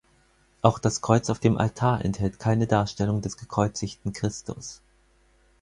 Auch das Kreuz auf dem Altar enthält keine Darstellung des gekreuzigten Christus.